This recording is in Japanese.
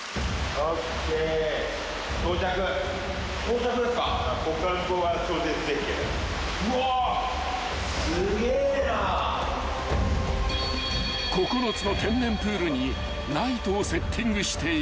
［９つの天然プールにライトをセッティングしていく］